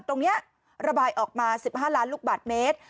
ตรงนี้ระบายออกมา๑๕ล้านลูกบาทเมตร